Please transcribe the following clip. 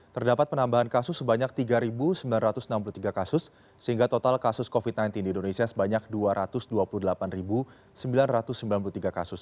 terdapat penambahan kasus sebanyak tiga sembilan ratus enam puluh tiga kasus sehingga total kasus covid sembilan belas di indonesia sebanyak dua ratus dua puluh delapan sembilan ratus sembilan puluh tiga kasus